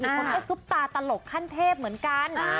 คนก็ซุปตาตลกขั้นเทพเหมือนกัน